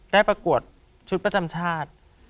ประกวดชุดประจำชาติ